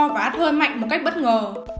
và át hơi mạnh một cách bất ngờ